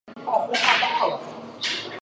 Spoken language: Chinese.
总觉得还不如先前看到的好